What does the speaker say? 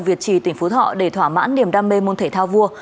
việt trì tỉnh phú thọ để thỏa mãn niềm đam mê môn thể thao vua